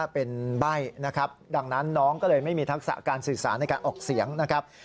เป็นใบ้นะครับดังนั้นน้องก็เลยไม่มีทักษะการสื่อสารในการออกเสียงนะครับ